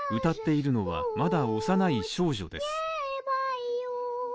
歌っているのはまだ幼い少女です。